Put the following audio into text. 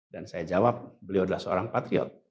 dan saya jawab beliau adalah seorang patriot